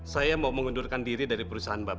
saya mau mengundurkan diri dari perusahaan bapak